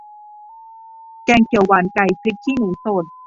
แกงเขียวหวานไก่พริกขี้หนูสด